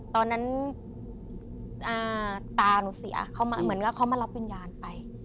ตอนนั้นตาหนูเสียเขามาเหมือนกับเขามารับวิญญาณไป